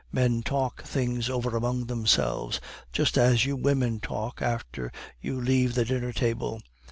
Men talk things over among themselves, just as you women talk after you leave the dinner table.